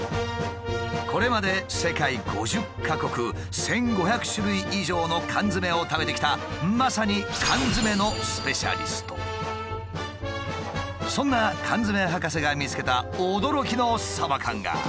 これまで世界５０か国１，５００種類以上の缶詰を食べてきたまさにそんな缶詰博士が見つけた驚きのサバ缶が。